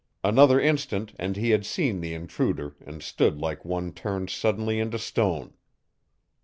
Another instant and he had seen the intruder and stood like one turned suddenly into stone.